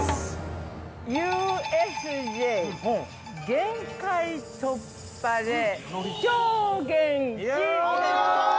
「ＵＳＪ限界突破で超元気」◆お見事！